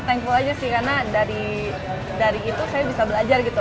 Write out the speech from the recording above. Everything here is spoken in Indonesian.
thankful aja sih karena dari itu saya bisa belajar gitu